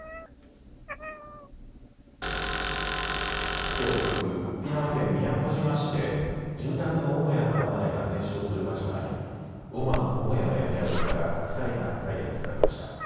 昨夜遅く、沖縄県宮古島市で住宅の母屋と離れが全焼する火事があり母屋の焼け跡から２人が遺体で見つかりました。